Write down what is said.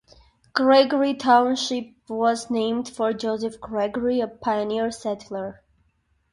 Gregory Township was named for Joseph Gregory, a pioneer settler.